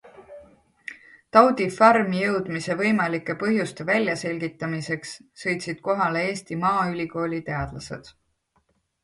Taudi farmi jõudmise võimalike põhjuste väljaselgitamiseks sõitsid kohale Eesti Maaülikooli teadlased.